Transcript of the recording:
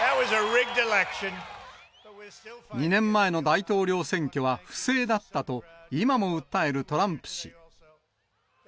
２年前の大統領選挙は、不正だったと今も訴えるトランプ氏。